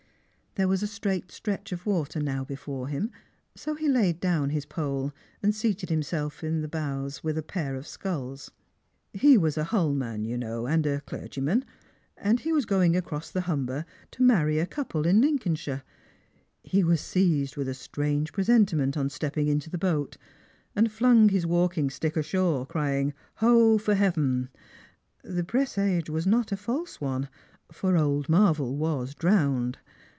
There was a straight stretch of water now before him ; so he laid down his jiole, and seated himself in the bows with a pair of sculls. " He was a Hull man, yow. know, and a clergyman, and was going across the Humber to marry a couple in Lincoln shire. He was seized with a strange presentiment on stepping into the boat, and flung his walking stick ashore, crying, ' Ho, for heaven !' The presage was not a false one, for old Marvell was drowned.